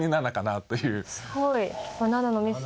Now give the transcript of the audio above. すごい。